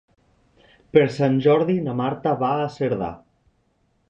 Per Sant Jordi na Marta va a Cerdà.